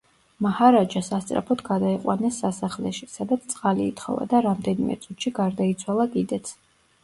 მაჰარაჯა სასწრაფოდ გადაიყვანეს სასახლეში, სადაც წყალი ითხოვა და რამდენიმე წუთში გარდაიცვალა კიდეც.